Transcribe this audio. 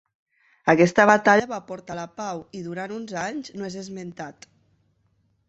Aquesta batalla va portar la pau i durant uns anys no és esmentat.